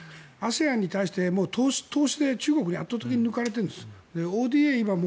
ＡＳＥＡＮに対して投資で中国に圧倒的に抜かれているんです。